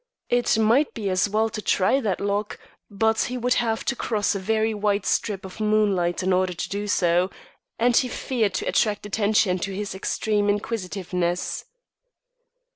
It might be as well to try that lock, but he would have to cross a very wide strip of moonlight in order to do so, and he feared to attract attention to his extreme inquisitiveness.